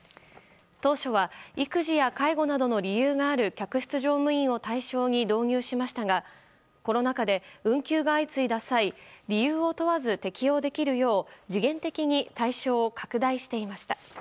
当初は育児や介護などの理由がある客室乗務員を対象に導入しましたがコロナ禍で運休が相次いだ際理由を問わず適用できるよう時限的に対象を拡大していました。